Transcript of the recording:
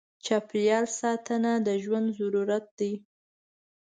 چاپېریال ساتنه د ژوند ضرورت دی.